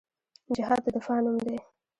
جهاد د دفاع نوم دی